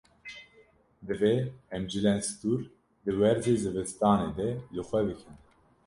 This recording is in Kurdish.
Divê em cilên stûr di werzê zivistanê de li xwe bikin.